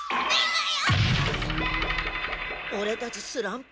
オレたちスランプ？